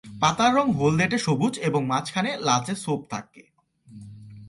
পাতার রং হলদেটে সবুজ এবং মাঝখানে লালচে ছোপ থাকে।